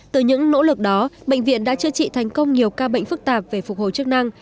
từ những nỗ lực đó bệnh viện đã chữa trị thành công nhiều ca bệnh phức tạp về phục hồi chức năng